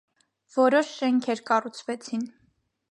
Որոշ շենքեր կառուցվեցին։